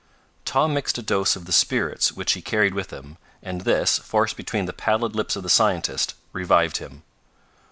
Tom mixed a dose of the spirits which he carried with him, and this, forced between the pallid lips of the scientist, revived him.